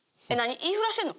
言いふらしてるの？